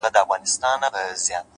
د نورو درناوی باور پیاوړی کوي’